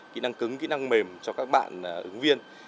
kỹ năng cứng kỹ năng mềm cho các bạn ứng viên